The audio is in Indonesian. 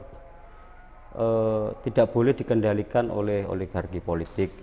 tidak boleh dikendalikan oleh oligarki politik